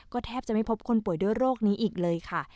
แทบจะไม่พบคนป่วยด้วยโรคนี้อีกเลยค่ะ